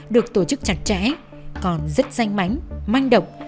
được tổ chức chặt chẽ còn rất danh mánh manh động